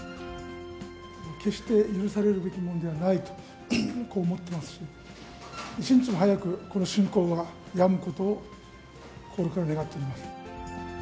決して許されるべきものではないと、こう思ってますし、一日も早くこの侵攻がやむことを心から願っております。